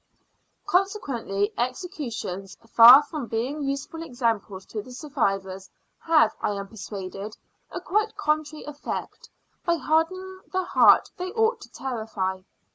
Consequently executions, far from being useful examples to the survivors, have, I am persuaded, a quite contrary effect, by hardening the heart they ought to terrify.